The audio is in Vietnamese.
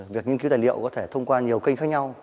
việc nghiên cứu tài liệu có thể thông qua nhiều kênh khác nhau